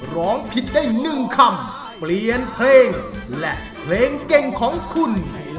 ร้องผิดได้๑คำเปลี่ยนเพลงและเพลงเก่งของคุณ